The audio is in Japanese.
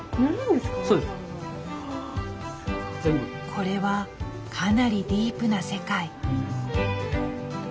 これはかなりディープな世界。